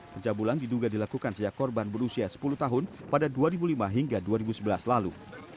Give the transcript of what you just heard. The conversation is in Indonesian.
pencabulan diduga dilakukan sejak korban berusia sepuluh tahun pada dua ribu lima hingga dua ribu sebelas lalu